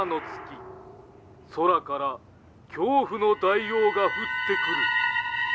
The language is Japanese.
空から恐怖の大王が降ってくる」。